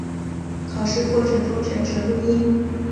考试过程中全程录音。